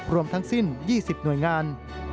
รวมทั้งสิ้น๒๐หน่วยงาน